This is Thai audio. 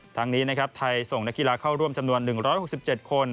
ทางนี้นะครับไทยส่งนักกีฬาเข้าร่วมจำนวน๑๖๗คน